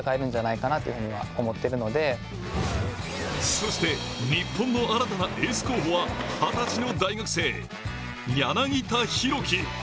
そして日本の新たなエース候補は二十歳の大学生、柳田大輝。